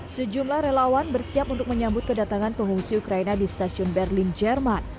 sejumlah relawan bersiap untuk menyambut kedatangan pengungsi ukraina di stasiun berlin jerman